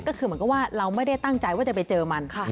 ก็คือเหมือนกับว่าเราไม่ได้ตั้งใจว่าจะไปเจอมัน